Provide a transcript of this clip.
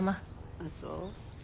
ああそう？